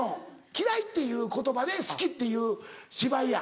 「嫌い」っていう言葉で好きっていう芝居や。